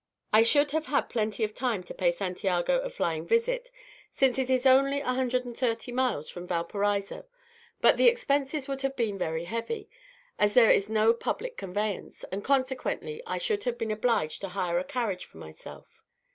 I should have had plenty of time to pay Santiago a flying visit, since it is only 130 miles from Valparaiso, but the expenses would have been very heavy, as there is no public conveyance, and consequently I should have been obliged to hire a carriage for myself.